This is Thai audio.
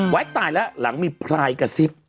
หวัดต่ายแล้วหลังมีพลายกระสิบ